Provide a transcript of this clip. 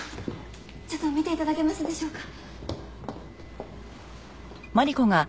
ちょっと見て頂けますでしょうか？